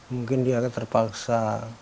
mungkin dia terpaksa